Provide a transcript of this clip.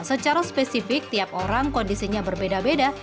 secara spesifik tiap orang kondisinya berbeda beda